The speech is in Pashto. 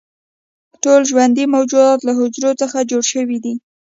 ټول ژوندي موجودات له حجرو څخه جوړ شوي دي